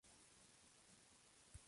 La otra campana.